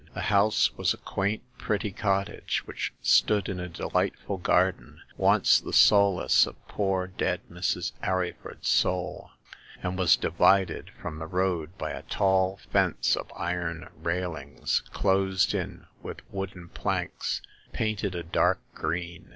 The house was a quaint, pretty cottage, which stood in a delightful garden — once the solace of poor dead Mrs. Arryford's soul — and was divided from the road by a tall fence of iron railings closed in with wooden planks painted a dark green.